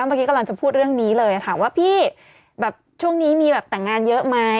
เมื่อกี้กำลังจะพูดเรื่องนี้เลยถามว่าพี่แบบช่วงนี้มีแบบแต่งงานเยอะไหม